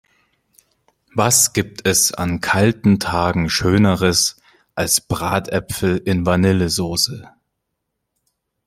Was gibt es an kalten Tagen schöneres als Bratäpfel in Vanillesoße!